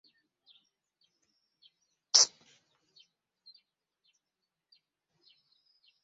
Busiro ku ludda olw’obukiikaddyo eyawukanira mu nnyanja Nalubaale ne Kyaddondo.